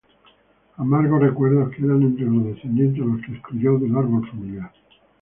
Amargos recuerdos quedan entre los descendientes a los que excluyó del árbol familiar.